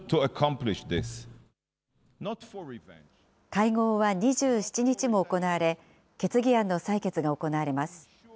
会合は２７日も行われ、決議案の採決が行われます。